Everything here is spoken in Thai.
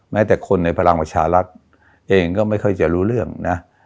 แม้แต่คนในพลังประชารัฐเองก็ไม่ค่อยจะรู้เรื่องนะ